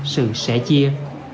sự sẻ chia